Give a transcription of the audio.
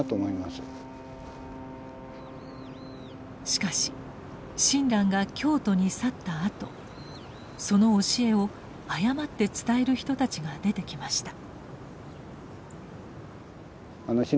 しかし親鸞が京都に去ったあとその教えを誤って伝える人たちが出てきました。